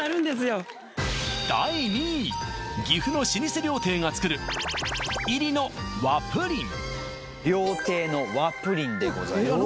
第２位岐阜の老舗料亭が作る○○入りの和プリン料亭の和プリンでございますうわ